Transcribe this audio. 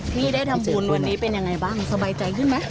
ที่ได้ทำบุญวันนี้เป็นยังไงบ้างสบายใจขึ้นไหม